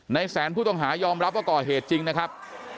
แสนผู้ต้องหายอมรับว่าก่อเหตุจริงนะครับ